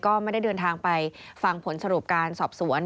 ก็ไม่ได้เดินทางไปฟังผลสรุปการสอบสวน